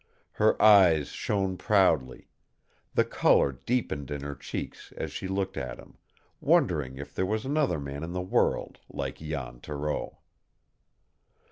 Her eyes shone proudly; the color deepened in her cheeks as she looked at him, wondering if there was another man in the world like Jan Thoreau.